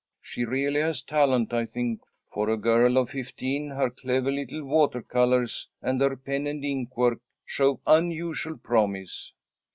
She really has talent, I think. For a girl of fifteen her clever little water colours and her pen and ink work show unusual promise."